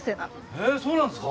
えっそうなんですか？